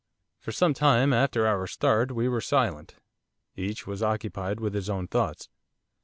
For some time after our start, we were silent. Each was occupied with his own thoughts.